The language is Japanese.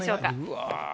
うわ。